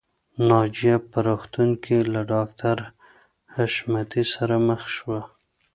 ناجیه په روغتون کې له ډاکټر حشمتي سره مخ شوه